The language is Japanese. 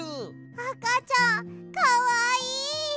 あかちゃんかわいい！